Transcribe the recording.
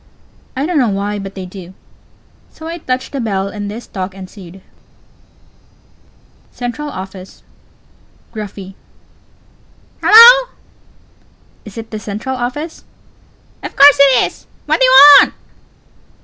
I don't know why, but they do. So I touched the bell, and this talk ensued: Central Office. (Gruffly.) Hello! I. Is it the Central Office? C. O. Of course it is. What do you want?